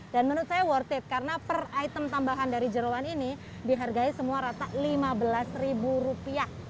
dan menurut saya worth it karena per item tambahan dari jeruan ini dihargai semua rata lima belas rupiah